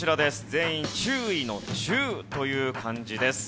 全員注意の「注」という漢字です。